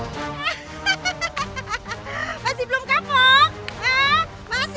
masa itu kekis